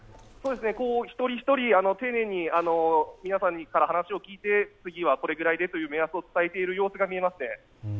一人一人、丁寧に皆さんから話を聞いて、次はこれぐらいですと目安を伝えている状況ですね。